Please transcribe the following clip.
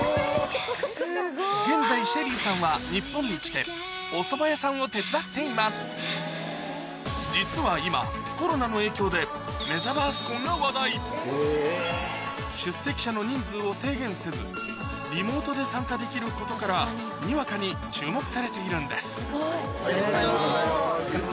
現在Ｓｈｅｒｒｙさんは日本に来て実は今コロナの影響でメタバース婚が話題出席者の人数を制限せずリモートで参加できることからにわかに注目されているんです